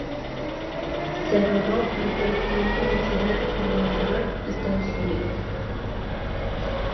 Se rodó íntegramente en la ciudad de Nueva York, Estados Unidos.